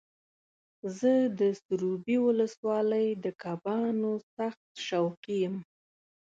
زه د سروبي ولسوالۍ د کبانو سخت شوقي یم.